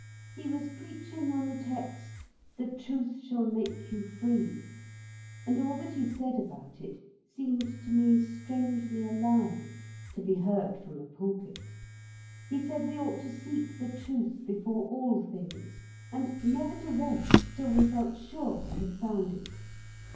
He was preaching on the text, 'The Truth shall make you Free,' and all that he said about it seemed to me strangely alive, to be heard from a pulpit. He said we ought to seek the Truth before all things, and never to rest till we felt sure we had found it.